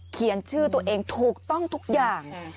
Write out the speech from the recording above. เขียนชื่อตัวเองถูกต้องทุกอย่าง